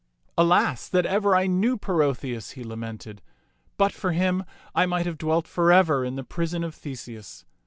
" Alas, that ever I knew Perotheus !" he lamented. " But for him I might have dwelt forever in the prison of Theseus.